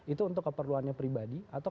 itu untuk keperluannya pribadi atau